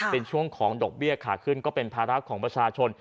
เป็นช่วงของดอกเบี้ยขาขึ้นก็เป็นภาระของประชาชน